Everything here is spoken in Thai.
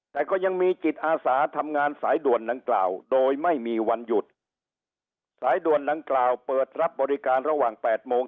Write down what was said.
แต่ก็ยังมีจิตอาสาทำงานสายด่วนดังกล่าวโดยไม่มีวันหยุดสายด่วนดังกล่าวเปิดรับบริการระหว่างแปดโมง